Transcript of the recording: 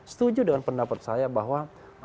setuju dengan pendapat saya bahwa